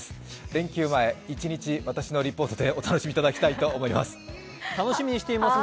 連休前、一日私のリポートでお楽しみいただきたいと思います。